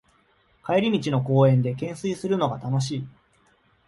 帰り道の公園でけんすいするのが楽しい